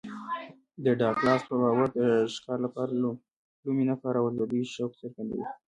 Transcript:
د ډاګلاس په باور د ښکار لپاره لومې نه کارول د دوی شوق څرګندوي